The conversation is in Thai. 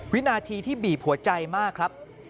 วินาทีที่บีบหัวใจมากครับ